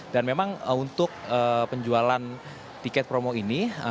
dan memang untuk penjualan tiket promo ini